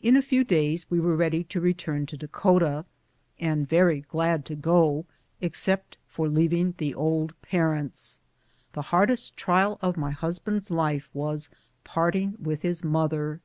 In a few days we were ready to return to Dakota, and very glad to go, except for leaving the old parents. The hardest trial of ray husband's life was parting with his mother.